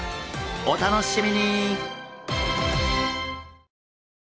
お楽しみに！